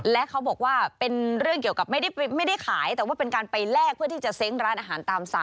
และเขาบอกว่าเป็นเรื่องเกี่ยวกับไม่ได้ขายแต่ว่าเป็นการไปแลกเพื่อที่จะเซ้งร้านอาหารตามสั่ง